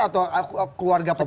atau keluarga pecah